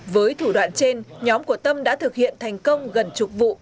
với thủ đoạn trên nhóm của tâm đã thực hiện thành công gần chục vụ